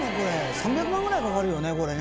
３００万ぐらいかかるよねこれね。